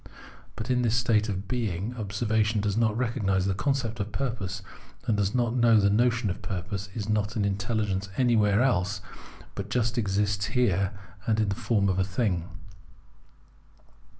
But in this state of being observation does not recognise the concept of purpose, and does not Ltiow that the notion of purpose is not in an intelligence anywhere else, but just exists here and in the form of a thing.